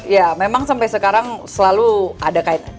ya memang sampai sekarang selalu ada kaitan